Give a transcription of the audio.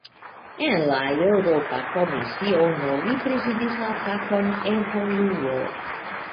En la Eŭropa Komisiono, li prezidis la fakon "evoluo".